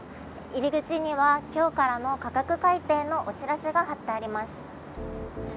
入り口には今日からの価格改定のお知らせが貼ってあります。